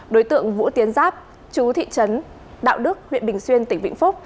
đối tượng vũ tiến giáp chú thị trấn đạo đức huyện bình xuyên tỉnh vĩnh phúc